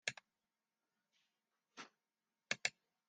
Alles wurdt nij en likegoed bliuwt alles by it âlde.